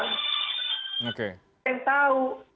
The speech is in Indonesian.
nggak ada yang tahu